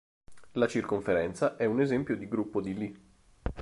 La circonferenza è un esempio di gruppo di Lie.